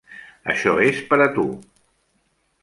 Això és per a tu.